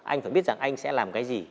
anh phải biết rằng anh sẽ làm cái gì